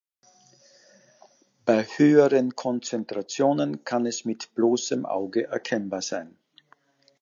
Bei höheren Konzentrationen kann es mit bloßem Auge erkennbar sein.